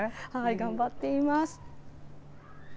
頑張っています。